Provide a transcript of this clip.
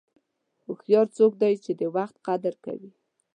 هوښیار څوک دی چې د وخت قدر کوي.